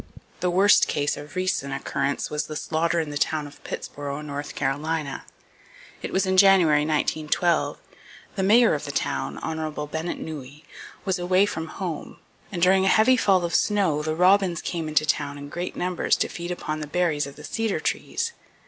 The worst case of recent occurrence was the slaughter in the town of Pittsboro, North Carolina. It was in January, 1912. The Mayor of the town, Hon. Bennet Nooe, was away from home; and during a heavy fall of snow "the robins came into the town in great numbers to feed upon the berries of the cedar trees.